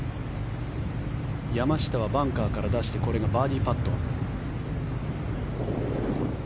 山下はバンカーから出してこれがバーディーパット。